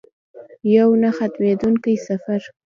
یو نه ختمیدونکی سفر.